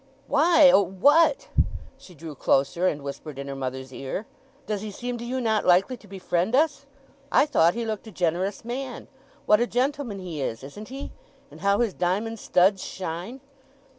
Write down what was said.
"Why—O what?" She drew closer, and whispered in her mother's ear, "Does he seem to you not likely to befriend us? I thought he looked a generous man. What a gentleman he is, isn't he? and how his diamond studs shine!